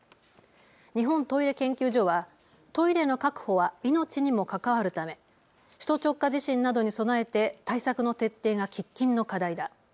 日本トイレ研究所はトイレの確保は命にも関わるため首都直下地震などに備えて対策の徹底が喫緊の課題だ。